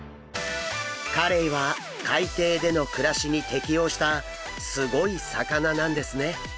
カレイは海底での暮らしに適応したすごい魚なんですね。